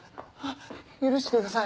許してください